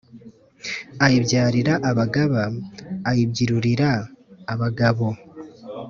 Ayibyarira abagaba ayibyirurira abagabo.